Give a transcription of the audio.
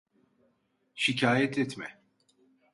Şikayet etme.